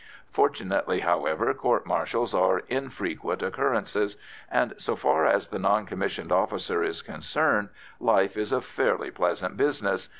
Fortunately, however, court martials are infrequent occurrences, and, so far as the non commissioned officer is concerned, life is a fairly pleasant business.